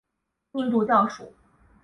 印度教属。